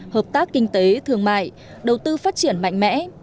hợp tác kinh tế thương mại đầu tư phát triển mạnh mẽ